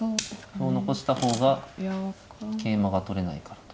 歩を残した方が桂馬が取れないからと。